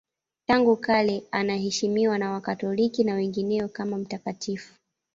Tangu kale anaheshimiwa na Wakatoliki na wengineo kama mtakatifu.